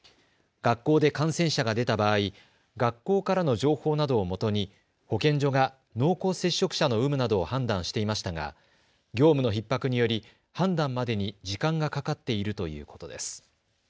学校で感染者が出た場合、学校からの情報などをもとに保健所が濃厚接触者の有無などを判断していましたが業務のひっ迫により判断までに時間がかかっているということです。